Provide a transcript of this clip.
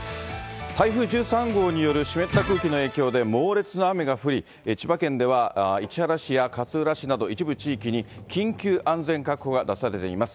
台風１３号による湿った空気の影響で、猛烈な雨が降り、千葉県では市原市や勝浦市など一部地域に緊急安全確保が出されています。